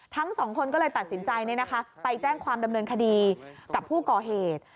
ทั้งสองคนก็เลยตัดสินใจไปแจ้งความดำเนินคดีกับผู้ก่อเหตุ